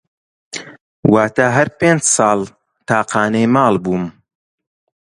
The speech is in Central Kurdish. واتا هەر پێنج ساڵ تاقانەی ماڵ بووم